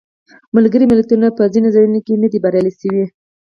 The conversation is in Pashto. ملګري ملتونه په ځینو ځایونو کې نه دي بریالي شوي.